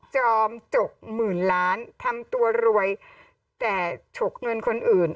จอมจกหมื่นล้านทำตัวรวยแต่ฉกเงินคนอื่น